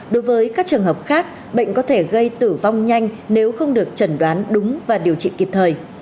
đối với các trường hợp khác bệnh có thể gây tử vong nhanh nếu không được chẩn đoán đúng và điều trị kịp thời